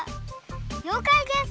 りょうかいです！